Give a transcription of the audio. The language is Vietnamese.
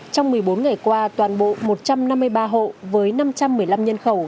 trong một mươi bốn ngày qua toàn bộ một trăm năm mươi ba hộ với năm trăm một mươi năm nhân khẩu